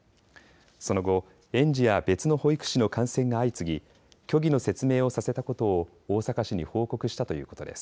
その後、園児や別の保育士の感染が相次ぎ、虚偽の説明をさせたことを大阪市に報告したということです。